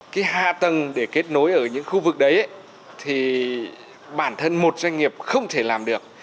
cái hạ tầng để kết nối ở những khu vực đấy thì bản thân một doanh nghiệp không thể làm được